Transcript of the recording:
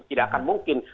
tidak akan mungkin